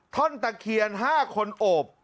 ท่อนตะเคียน๕คนโอบ